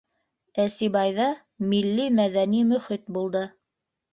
Ә Сибайҙа милли мәҙәни мөхит булды.